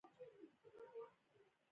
د الکسندریه قفقاز بګرام و